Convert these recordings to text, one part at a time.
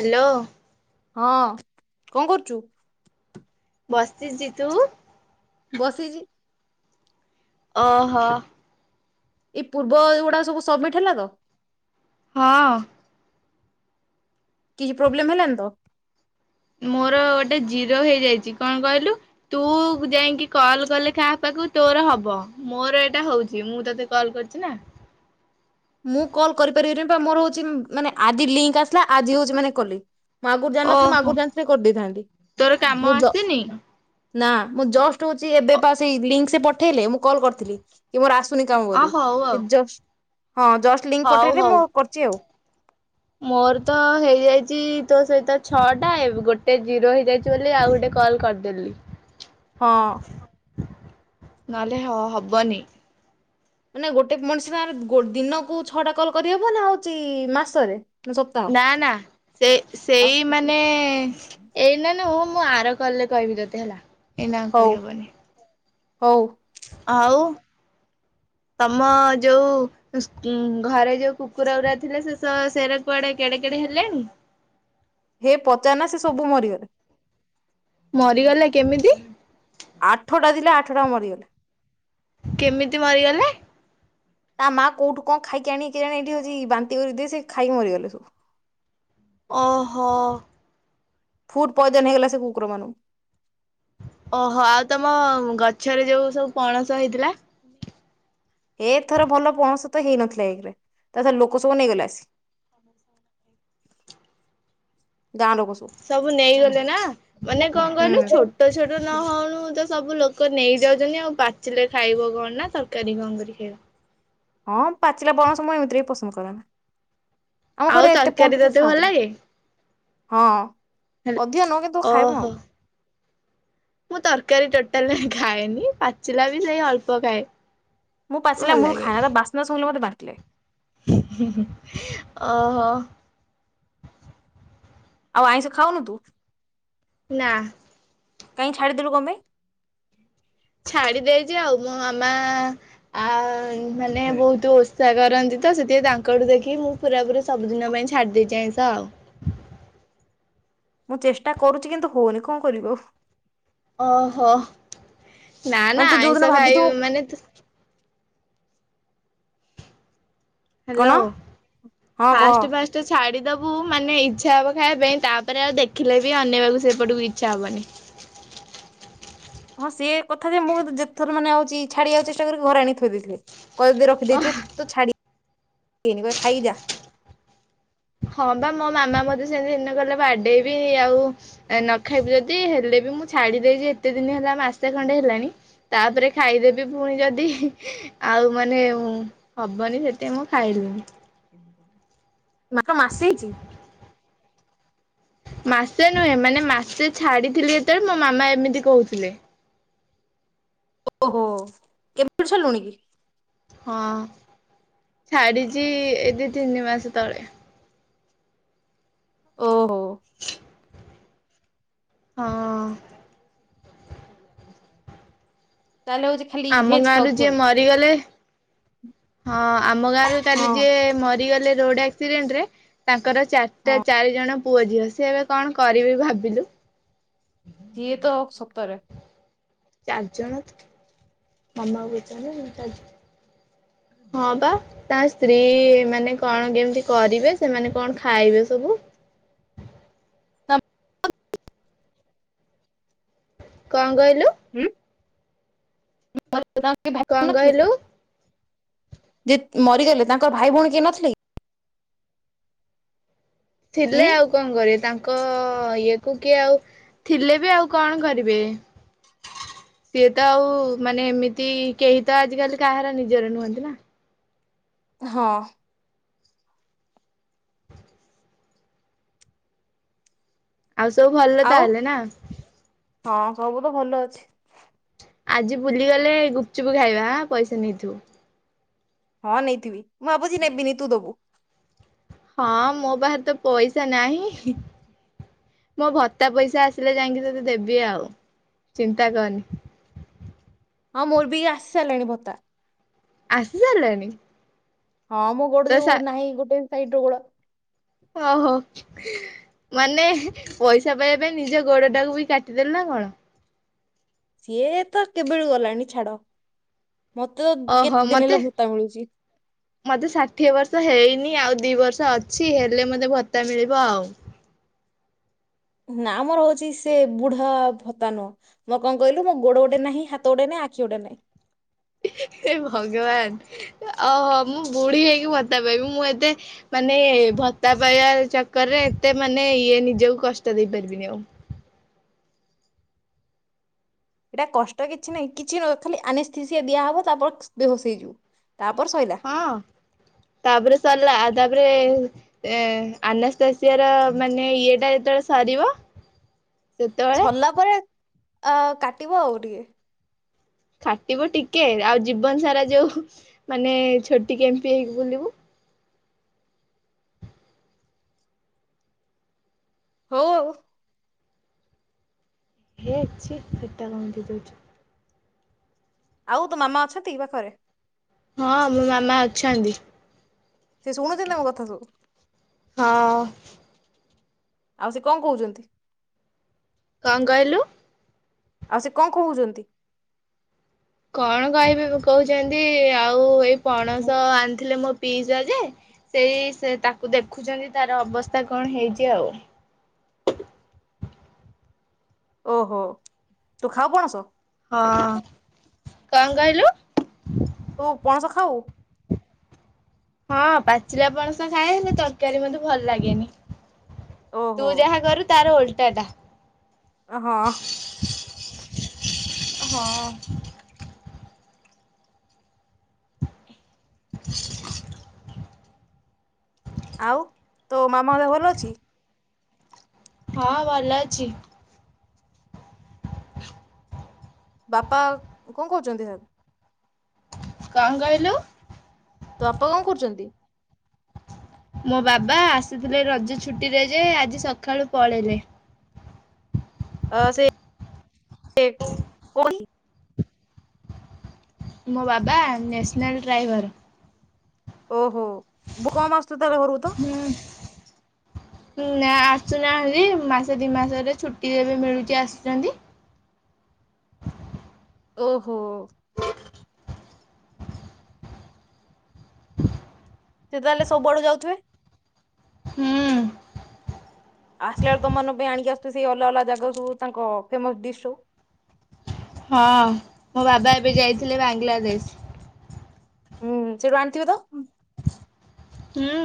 Hello. ହଁ କଣ କରୁଚୁ? ବସିଚି ତୁ? ବସିଚି। ଓହୋ। ଏଇ ପୂର୍ବ ଏଗୁଡ଼ା ସବୁ ସଵ୍ ମିଟ ହେଲା ତ। ହଁ। କିଛି ପ୍ରୋବ୍ଲେମ ହେଲାନି ତ? ମୋର ଗୋଟେ ଜିରୋ ହେଇଯାଇଛି କଣ କହିଲୁ? ତୁ ଯାଇକି କଲ କଲେ କାହା ପାଖକୁ ତୋର ହବ ମୋର ଏଟା ହଉଛି ମୁଁ ତତେ କଲ୍ କରିଛି ନା? ମୁଁ କଲ୍ କରିପାରିବିନି ପା ମୋର ହଉଛି ମାନେ ଆଜି ଲିଙ୍କ ଆସିଲା ଆଜି ହଉଛି ମାନେ କଲି। ମୁଁ ଆଗୁରୁ ଜାଣି ନଥିଲେ ମୁଁ ଓହୋ ଆଗୁରୁ ଜାଣିଥିଲେ କରିଦେଇଥାନ୍ତି ତୋର କାମ ମୁଁ ଜ ଆସିନି ନା ମୁଁ ଜଷ୍ଟ ହଉଛି ଏବେ ଅ ପା ସେଇ ଲିଙ୍କ ସେ ପଠେଇଲେ ମୁଁ କଲ୍ କରିଥିଲି କି ମୋର ଆସୁନି କାଇଁ ବୋଲି ହଉ ଆଉ କି ଜସ୍ ହଁ ଜଷ୍ଟ ଲିଙ୍କ ହଉ ପଠେଇଲେ ହଉ ମୁଁ କରିଛି ଆଉ। ମୋର ତ ହେଇଯାଇଚି ତୋ ସହିତ ଛଅଟା ଏଵ୍ ଗୋଟେ ଜିରୋ ହେଇଯାଇ ବୋଲି ଆଉ ଗୋଟେ କଲ କରିଦେଲି। ହଁ। ନହଲେ ହ ହବନି। ମାନ ଗୋଟେ ମଣିଷ ସାଙ୍ଗରେ ଗୋ ଦିନକୁ ଛଅଟା କଲ କରିହବ ନା ହଉଛି ମାସରେ? ନା ନା ସେ ସେଇ ମାନେ ଏଇ ନା ନୁହଁ ମୁଁ ଆର କଲ୍ ରେ କହିବି ତତେ ହେଲା ଏଇନା ହଉ କହିହବନି। ହଉ। ହଉ ତମ ଯୋଉ [unintelligible] ଘରେ ଯୋଉ କୁକୁର ଗୋରା ଥିଲେ ସେ ସ ସେରା କୁଆଡେ଼ କେଡ଼େ କେଡ଼େ ହେଲେଣି? ହେ ପଚାର ନା ସେ ସବୁ ମରିଗଲେ। ମରିଗଲେ କେମିତି? ଆଠଟା ଥିଲା ଆଠଟା ମଲା। କେମିତି ମରିଗଲେ? ତା ମା କୋଉଠୁ କଣ ଖାଇକି ଆଣିକି [unintelligible] ସେ ଖାଇକି ମରିଗଲେ ସବୁ। ଓ ହୋ। ଫୁଡ୍ ପଏଦନ ହେଇଗଲା ସେ କୁକୁର ମାନଙ୍କୁ। ଓହୋ ଆଉ ତମ ଗଛରେ ଯୋଉ ସବୁ ପଣସ ହେଇଥିଲା? ଏ ଥର ଭଲ ପଣସ ତ ହେଇନଥିଲା ଏଘରେ ତା ଥରେ ଲୋକ ସବୁ ନେଇଗଲେ ଆସି। [inaudible] ଗାଁ ଲୋକ ସବୁ ନେଇଗଲେ ନା ମାନେ କଣ କହିଲୁ ହୁଁ ଛୋ ଛୋଟ ଛୋଟ ନ ହଉଣୁ ତ ସବୁ ଲୋକ ନେଇଯାଉଛନ୍ତି ଆଉ ପାଚିଲେ ଖାଇବ କଣ ନା ତରକାରୀ କଣ କରି ଖାଇବ। ହଁ ପାଚିଲା ପଣସ ମୁଁ ଏମିତିରେ ବି ପସନ୍ଦ କରେ ନା। ଆମ ଆଉ ଘରେ ଏତେ ପଣସ ତରକାରୀ କେହି ତତେ ଭଲ ଖାଆନ୍ତିନି। ଲାଗେ? ହଁ ହେଲ୍ ଅଧିକ ନୁହେଁ କିନ୍ତୁ ଖାଇବୁ ଓହୋ ଆଉ। ମୁଁ ତରକାରୀ ଟୋଟାଲ ଖାଏନି। ପାଚିଲା ବି ସେଇ ଅଳ୍ପ ଖାଏ। ମୁଁ ଭଲ ପାଚିଲା ମୂଳୁରୁ ଖାଏନା। ବାସ୍ନା ଶୁଙ୍ଘିଲେ ମତେ ବାନ୍ତି ଲାଗେ। ଓ ହୋ। ଆଉ ଆଇଁଷ ଖାଉନୁ ତୁ। ନା। କାଁ ଛାଡି ଦେଲୁ। କଣ ପାଇଁ? ଛାଡି ଦେଇଚି ଆଉ। ମୋ ମାମା ଆ ମାନେ ବହୁତ ଓଷା କରନ୍ତି ତ ସେଥିପାଇ ତାଙ୍କଠୁ ଦେଖି ମୁଁ ପୁରା ପୁରୀ ସବୁଦିନ ପାଇଁ ଛାଡ଼ି ଦେଇଛି ଆଇଁଷ ଆଉ। ମୁଁ ଚେଷ୍ଟା କରୁଛି କିନ୍ତୁ ହଉନି। କଣ କରିବି ଆଉ? ଓହୋ। ନା ମାନେ ନା ତୁ ଯୋଉ ଦିନ ଆଇଁଷ ଭାବିଥିବୁ ଖାଇବ ମାନେ କଣ ହ୍ୟାଲୋ। ହଁ କହ ଫାଷ୍ଟ୍ ଫାଷ୍ଟ ତ ଛାଡ଼ିଦବୁ ମାନେ ଇଚ୍ଛା ହେବ ଖାଇବା ପାଇଁ। ତାପରେ ଆଉ ଦେଖିଲେ ବି ଅନେଇବାକୁ ସେପଟକୁ ଇଚ୍ଛା ହେବନି। ହଁ ସେଏ କଥା ଯେ ମୁଁ ଯେତେ ଥର ମାନେ ଆଉଛି ଛାଡିବାକୁ ଚେଷ୍ଟା କରିକି ଘରେ ଆଣିଥୋଇ ଦେଇଥିଲେ। କହିକି ଓ ରଖିଦେଇଥିବେ ତ ଛାଡିନି। ଖାଇକି ଯା। ହଁ ବା ମୋ ମାମା ମତେ ସେମିତି ଦିନେ କଇଲେ ବାଡେଇବି ଆଉ। ନ ଖାଇବି ଯଦି ହେଲେ ବି ମୁଁ ଛାଡିଦଇଚି, ଏତେ ଦିନ ହେଲା ମାସେ ଖଣ୍ଡେ ହେଲାଣି। ତାପରେ ଖାଇଦେବି ପୁଣି ଯଦି ଆଉ ମାନେ ହବନି ସେତେ ମୁଁ ଖାଇଲିନି। ମାକ ମାସେ ହେଇଚି। ମାସେ ନୁହେଁ, ମାନେ ମାସେ ଛାଡିଥିଲେ ଯେତେବେଳେ ମୋ ମାମା ଏମିତି କହୁଥିଲେ। ଓହୋ କେବେଠୁ ଛାଡିଲୁଣି କି? ହଁ ଛାଡିଛି ଏ ଦି ତିନି ମାସ ତଳେ। ଓହୋ। ହଁ। ତାହେଲେ ହଉଚି ଖାଲି ଆମ ଇଭେଜ୍ ଗାଁରୁ ଖାଉଥିବ ଯିଏ ଆଉ। ହଁ ଆମ ଗାଁରେ କାଲି ହଁ ଯିଏ ମରିଗଲେ ରୋଡ ଆକ୍ ଆକ୍ସିଡେଣ୍ଟରେ ତାଙ୍କର ଚାରିଟା ହଁ ଚାରି ଜଣ ପୁଅ ଝିଅ। ସିଏ ଏବେ କଣ କରିବେ ଭାବିଲୁ? ଯିଏ ତ ସତରେ ଚାରିଜଣ ତ ମାମା କହୁଚନ୍ତି ଚାରିଜଣ। ହଁ ବା ତା ସ୍ତ୍ରୀ ଏମାନେ କଣ କେମିତି କରିବେ, ସେମାନେ କଣ ଖାଇବେ ସବୁ? କଣ କହିଲୁ? ହୁଁ କଣ କହିଲୁ [inaudible] ଯିଏ ମରିଗଲେ ତାଙ୍କର ଭାଇ ଭଉଣୀ କିଏ ନଥିଲେ କି? ଥିଲେ ହୁଁ ଆଉ କଣ କରିବେ? ତାଙ୍କ ଇଏକୁ କିଏ ଆଉ ଥିଲେ ବି ଆଉ କଣ କରିବେ? ସିଏ ତ ଆଉ ମାନେ ଏମିତି କେହି ତ ଆଜିକାଲି କାହାର ନିଜର ନୁହନ୍ତି ନା। ହଁ। ଆଉ ସବୁ ଭଲ ଆଉ ତାହଲେ ନା। ହଁ ସବୁ ତ ଭଲ ଅଛି। ଆଜି ବୁଲିଗଲେ ଗୁପଚୁପ୍ ଖାଇବା ଆଁ ପଇସା ନେଇଥିବୁ। ହଁ ନେଇଥିବି ମୁଁ ଭାବୁଚି ନେବିନି ତୁ ଦୋବୁ। ହଁ ମୋ ପାଖେରେ ତ ପଇସା ନାହିଁ। ମୋ ଭତ୍ତା ପଇସା ଆସିଲେ ଯାଇଁକି ତତେ ଦେବି ଆଉ ଚିନ୍ତା କରନି। ହଁ ମୋର ବି ଆସି ସାରିଲାଣି ଭତା। ଆସି ସାରିଲାଣି। ହଁ ମୁଁ ତ ଗୋଡ ଯୋଉ ସା ନାହିଁ ଗୋଟେ ସାଇଟ ର ଗୋଡ। ଓହୋ ମାନେ ପଇସା ପାଇବା ପାଇଁ ନିଜ ଗୋଡ ଟାକୁ ବି କାଟିଦେଲୁ ନା କଣ? ସିଏ ତ କେବେଳୁ ଗଲାଣି ଛାଡ ମତେ ଓହୋ କେତେ ଦିନି ମତେ ହେଲା ଭତା ମିଳୁଚି। ମତେ ଷାଠିଏ ବର୍ଷ ହେଇନି ଆଉ ଦି ବର୍ଷ ଅଛି ହେଲେ ମତେ ଭତ୍ତା ମିଳିବ ଆଉ। ନା ମୋର ହୋଉଚି ସେ ବୁଢା ଭତାନୁହଁ। ମୋ କଣ କହିଲୁ ମୋ ଗୋଡ ଗୋଟେନାହିଁ ହାତ ଗୋଟେନାହିଁ ଆଖି ଗୋଟେ ନାହିଁ। ହେ ଭଗବାନ ଓହୋ ମୁଁ ବୁଢୀ ହେଇକି ଭତ୍ତା ପାଇିବି ମୁଁ ଏତେ ମାନେ ଭତ୍ତା ପାଇବା ଚକରରେ ଏତେ ମାନେ ଇଏ ନିଜକୁ କଷ୍ଟ ଦେଇ ପାରିବିନି ଆଉ। ଏଇଟା କଷ୍ଟ କିଛି ନାହିଁ କିଛି ଖାଲି ଆନେସ୍ଥିସିଆ ଦିଆହବ ତାପରେ ବେହୋସ ହେଇଯିବ ତାପରେ ସଇ ଲା। ହଁ ତାପରେ ସରିଲା ତାପରେ ଏ ଆନସ୍ତାସିଆ ର ମାନେ ଇଏଟା ଯେତେବେଳେ ସରିବ। ସେତେବେଳେ ସରିଲା ପରେ ଅ କାଟିବ ଆଉ ଟିକେ। କାଟିବ ଟିକେ ଆଉ ଜୀବନ ସାରା ଯୋଉ ମାନେ ଛୋଟି କେମ୍ପି ହେଇକି ବୁଲିବୁ। ହୋଉ ଆଉ। [unintelligible] ଆଉ ତୋ ମାମା ଅଛନ୍ତି ପାଖରେ? ହଁ ମୋ ମାମା ଅଛନ୍ତି। ସେ ଶୁଣୁଛନ୍ତି ନା ମୋ କଥା ସବୁ? ହଁ ଆଉ ସେ କଣ କୋହୁଚନ୍ତି? କଣ କହିଲୁ? ଆଉ ସେ କଣ କୋହୁଚନ୍ତି? କଣ କହିବି କୋହୁଚନ୍ତି ଆଉ ଏଇ ପଣସ ଆ ଥିଲେ ମୋ ପିଇସା ଯେ ସେଇ ସେ ତାକୁ ଦେଖୁଛନ୍ତି ତାର ଅବସ୍ଥା କଣ ହେଇଛି ଆଉ। ଓହୋ ତୁ ଖାଉ କଣସ? ହଁ କଣ କହିଲୁ? ତୁ ପଣସ ଖାଉ? ହଁ ପାଚିଲାପଣସ ଖାଏ ହେଲେ ତରକାରୀ ମତେ ଭଲ ଲାଗେନି। ଓହୋ ତୁ ଯାହା କରୁ ତାର ଓଲଟା ଟା। ଆ ହଁ। ହଁ। [inaudible] ଆଉ ତୋ ମାମା ଦେହ ଭଲ ଅଛି? ହଁ ଭଲ ଅଛି। ବାପା କଣ କୋହୁଚନ୍ତି ଘରେ? କଣ କହିଲୁ? ତୋ ବାପା କଣ କରୁଚନ୍ତି? ମୋ ବାବା ଆସିଥିଲେ ରଜ ଛୁଟିରେ ଯେ ଆଜି ସକାଳୁ ପଳେଇଲେ। ଅ ସେ ସେ କୋଉଠି ମୋ ବାବା ନେସନାଲ୍ ରାଇଭର। ଓହୋ ବହୁତ କମ୍ ଆସୁଥିବେ ତାରେ ଘରକୁ ତ? ହୁଁ। ନା ଆସୁନାହାନ୍ତି ମାସ ଦି ମାସରେ ଛୁଟି ଏବେ ମିଳୁଛି ଆସୁଛନ୍ତି। ଓ ହୋ। ସେ ତାହେଲେ ସବୁଆଡୁ ଯାଉଥିବେ। ହୁଁ ଆସିଲା ବେଳକୁ ତମାନକ ପାଇଁ ଆଣିକି ଆସୁଥିବେ ସେଇ ଅଲଗା ଅଲଗା ଜାଗା ସବୁ ତାଙ୍କ ଫେମସ ଡିସ୍ ସବୁ। ହଁ ମୋ ବାବା ଏବେ ଯାଇଥିଲେ ବାଂଲାଦେଶ। ହୁଁ ସେଠୁ ଆଣିଥିବେ ତ? ହୁଁ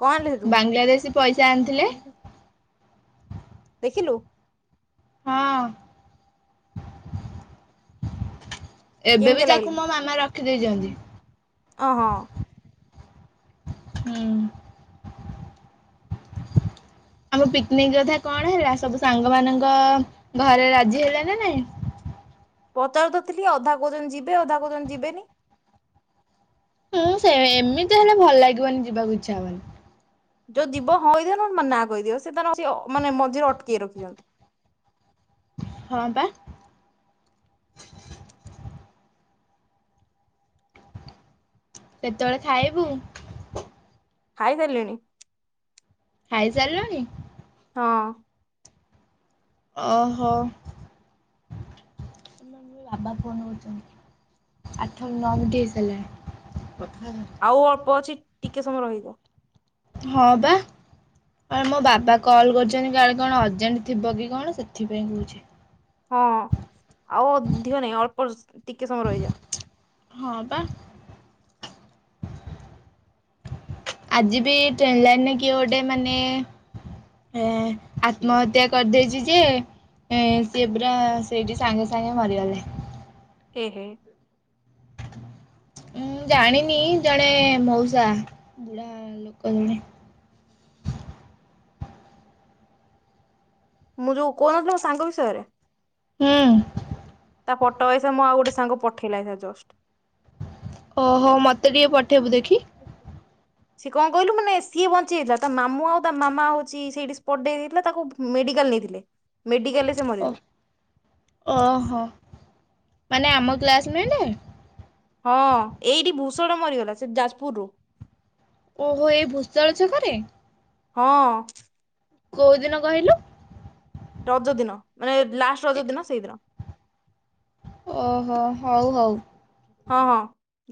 କଣ ଆଣିଲେ ସେଠୁ? ବାଂଲାଦେଶୀ ପଇସା ଆଣିଥିଲେ। ଦେଖିଲୁ? ହଁ। ଏବେ କେମିତି ବି ଲାଗିଲା? ତାକୁ ମୋ ମାମା ରଖିଦେଇଛନ୍ତି। ଅ ହଁ। ହୁଁ। ଆମ ପିକ୍ ନିକ୍ କଥା କଣ ହେଲା ସବୁ ସାଙ୍ଗ ମାନଙ୍କ ଘରେ ରାଜି ହେଲେ ନା ନାଇଁ? ପଚାରୁତଥିଲି ଅଧା କୋଉଛନ୍ତି ଯିବେ ଅଧା କୋଉଛନ୍ତି ଯିବେନି। ହୁଁ ସେ ଏମିତି ହେଲେ ଭଲ ଲାଗିବନି ଯିବାକୁ ଇଚ୍ଛା ହବନି। ଯୋଉ ଯିବ ହଁ କହିଦବ ନ ମ ନାଁ କହିଦିଅ ସେ ତାର ମାନେ ମଝିରେ ଅଟକି ରଖିଛନ୍ତି। ହଁ ପା। କେତେବେଳେ ଖାଇବୁ? ଖାଇଦେଲିଣି। ଖାଇସାରିଲଣି? ହଁ। ଓହୋ। ବାବା ଫୋନ କରିଛନ୍ତି। ଆଠ ନଅ ମିନିଟ୍ ହେଇସାରିଲାଣି। ଆଉ ଅଳ୍ପ ଅଛି ଟିକେ ସମୟ ରହିଯା। ହଁ ପା। ମୋ ବାବା କଲ୍ କରୁଛନ୍ତି କାଳେ କଣ ଅର୍ଜେଣ୍ଟ ଥିବ କି କଣ ସେଥିପାଇଁ କହୁଛି। ହଁ ଆଉ ଅଧିକ ନାହିଁ ଅଳ୍ପ ଟିକେ ସମୟ ରହିଯା। ହଁ ପା। ଆଜି ବି ଟ୍ରେନ୍ ଲାଇନେ କିଏ ଗୋଟେ ମାନେ। ହଁ ଆତ୍ମହତ୍ୟା କରିଦେଇଛି ଯେ ଏ ସେ ପୁରା ସେଇଠି ସାଙ୍ଗେ ସାଙ୍ଗେ ମରିଗଲେ। ଏହେ ଉଁ ଜାଣିନି ଜଣେ ମଉସା, ବୁଢା ଲୋକ ଜଣେ। ମୁଁ ଯୋଉ କହୁନଥିଲି ମୋ ସାଙ୍ଗ ବିଷୟରେ ହୁଁ। ତା ଫଟୋ ଏଇସା ମୁଁ ଆଉ ଗୋଟେ ସାଙ୍ଗ ପଠେଇଲା ଏଇନା ଜଷ୍ଟ। ଓହୋ ମତେ ଟିକେ ପଠେଇବୁ ଦେଖି ସିଏ କଣ କହିଲୁ ମାନେ ସିଏ ବଞ୍ଚିଯାଇଥିଲା ତା ମାମୁଁ ଆଉ ତା ମାମା ହେଉଛି ସେଇଠି ସ୍ପର୍ଡ଼େଇ ଦେଇାଇଥିଲା ତାକୁ ମେଡିକାଲ ନେଇଥିଲେ ମେଡିକାଲରେ ସେ ଓ ମରିଗଲା। ଓହୋ। ମାନେ ଆମ କ୍ଲାସମେଟେ ହଁ ଏଇଠି ଭୂଷଣ ମରିଗଲା ସେ ଯାଜପୁରରୁୁ ଓହୋ ଏଇ ଭୂଷଳ ଛକରେ ହଁ। କୋଉ ଦିନ କହିଲୁ? ରଜ ଦିନ ମାନେ ଲାଷ୍ଟ ରଜ ଦିନ ସେଇଦିନ। ଓହୋ ହଉ ହଉ। ହଁ ହଁ।